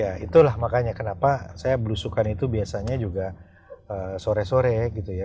ya itulah makanya kenapa saya belusukan itu biasanya juga sore sore gitu ya